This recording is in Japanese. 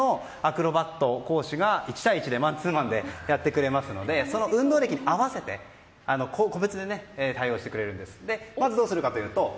専属でプロのアクロバット講師がマンツーマンでやってくれますので運動歴合わせて個別で対応してくれるそうです。